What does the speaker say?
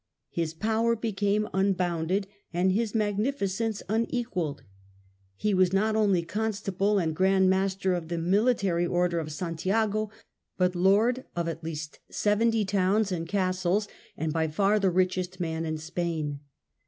His power became un bounded and his magnificence unequalled : he was not only Constable and Grand Master of the military order of Santiago, but lord of at least seventy towns and castles and by far the richest man in Spain.